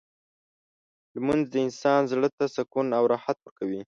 لمونځ د انسان زړه ته سکون او راحت ورکوي.